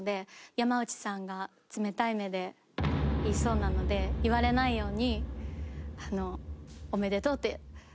山内さんが冷たい目で言いそうなので言われないように。